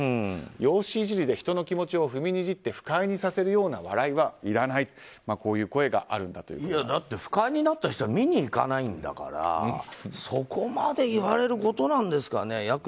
容姿いじりで人の気持ちを踏みにじって不快にさせるような笑いはいらないという声が不快になった人は見に行かないんだから、そこまで言われることなんですかね。